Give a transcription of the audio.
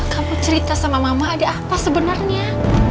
kamu cerita sama mama ada apa sebenarnya